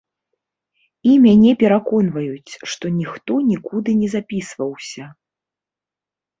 І мяне пераконваюць, што ніхто нікуды не запісваўся.